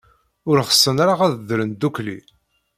Ur ɣsen ara ad ddren ddukkli.